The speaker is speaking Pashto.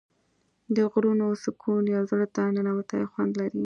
د غرونو سکون یو زړه ته ننووتی خوند لري.